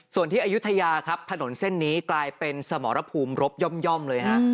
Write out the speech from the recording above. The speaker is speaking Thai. ส่วนที่อายุทยาครับถนนเส้นนี้กลายเป็นสมรภูมิรบย่อมเลยฮะ